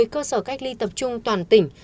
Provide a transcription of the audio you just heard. một mươi cơ sở cách ly tập trung toàn tỉnh